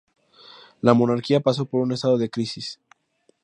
La monarquía pasó por un estado de crisis.